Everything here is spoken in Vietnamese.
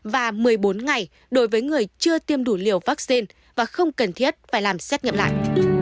và một mươi bốn ngày đối với người chưa tiêm đủ liều vaccine và không cần thiết phải làm xét nghiệm lại